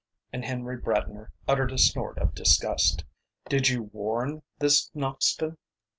And Henry Bradner uttered a snort of disgust. "Did you warn this Noxton?"